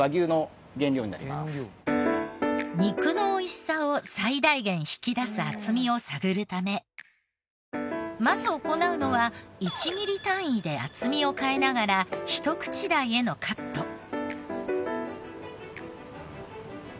肉の美味しさを最大限引き出す厚みを探るためまず行うのは１ミリ単位で厚みを変えながらひと口大へのカット。